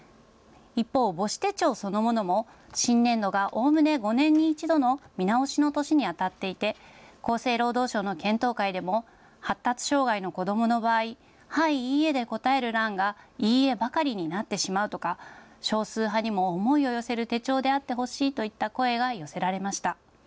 一方、母子手帳そのものも新年度がおおむね５年に１度の見直しの年にあたっていて厚生労働省の検討会でも発達障害の子どもの場合、はい、いいえで答える欄が、いいえばかりになってしまうとか、少数派にも思いを寄せる手帳であってほしいといった声が寄せられました。